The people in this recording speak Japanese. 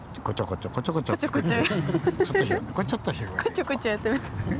こちょこちょやってます。